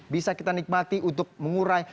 bisa kita nikmati untuk mengurai